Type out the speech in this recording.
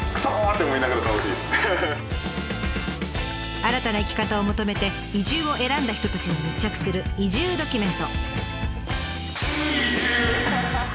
新たな生き方を求めて移住を選んだ人たちに密着する移住ドキュメント。